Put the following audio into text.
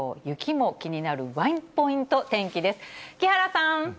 雪も気になるワンポイント天気です。